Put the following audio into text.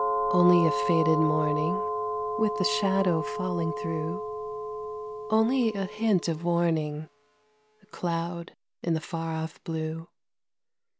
Only a faded morning, With a shadow falling through, Only a hint of warning A cloud in the far off blue.